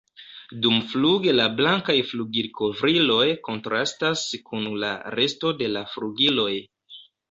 Dumfluge la blankaj flugilkovriloj kontrastas kun la resto de la flugiloj.